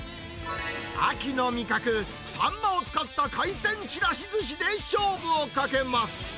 秋の味覚、サンマを使った海鮮ちらしずしで勝負をかけます。